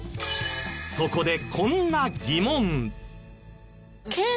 そこでこんな疑問。